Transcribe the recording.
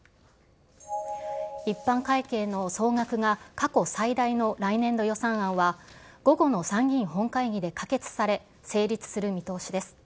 一般会計の総額が過去最大の来年度予算案は、午後の参議院本会議で可決され、成立する見通しです。